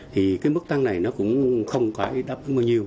thì cái mức tăng này nó cũng không phải đáp ứng bao nhiêu